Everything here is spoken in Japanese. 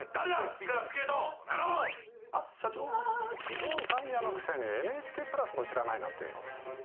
不動産屋のくせにＮＨＫプラスも知らないなんて。